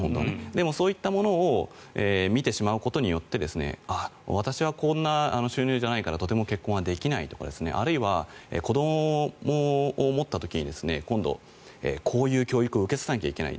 でも、そういったものを見てしまうことによってああ、私はこんな収入じゃないからとても結婚はできないとかあるいは、子どもを持った時に今度、こういう教育を受けさせなきゃいけない